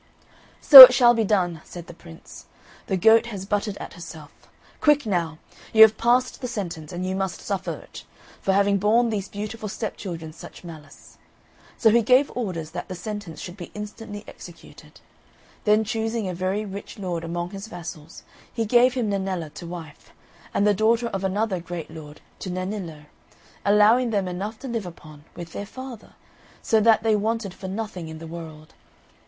"So it shall be done!" said the Prince. "The goat has butted at herself. Quick now! you have passed the sentence, and you must suffer it, for having borne these beautiful stepchildren such malice." So he gave orders that the sentence should be instantly executed. Then choosing a very rich lord among his vassals, he gave him Nennella to wife, and the daughter of another great lord to Nennillo; allowing them enough to live upon, with their father, so that they wanted for nothing in the world.